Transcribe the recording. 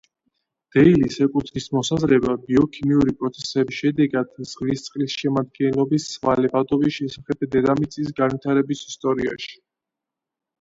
დეილის ეკუთვნის მოსაზრება ბიოქიმიური პროცესების შედეგად ზღვის წყლის შედგენილობის ცვალებადობის შესახებ დედამიწის განვითარების ისტორიაში.